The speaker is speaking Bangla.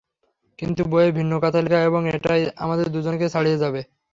কিন্তু বইয়ে ভিন্ন কথা লেখা, এবং এটাই আমাদের দুজনকেই ছাড়িয়ে যাবে।